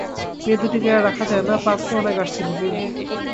মেয়ে দুটিকে আর রাখা যায় না– পাত্রও অনেক আসছে– বিপিন।